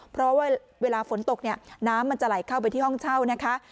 เพราะว่าเวลาฝนตกเนี่ยน้ำมันจะไหลเข้าไปที่ห้องเช่านะคะ